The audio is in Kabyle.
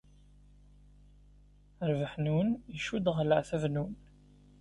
Rrbeḥ-nwen icudd ɣer leɛtab-nwen.